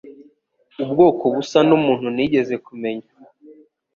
ubwoko busa numuntu nigeze kumenya.